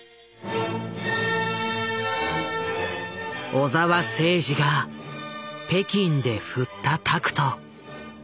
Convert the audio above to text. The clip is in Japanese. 小澤征爾が北京で振ったタクト。